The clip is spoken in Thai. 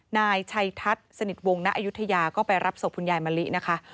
นายชัยทัศน์สนิทวงณอายุทยาก็ไปรับศพคุณยายมะลินะคะ